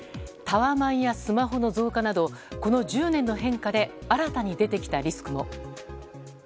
タワマンやスマホの増加などこの１０年の変化で新たに出てきたリスクも。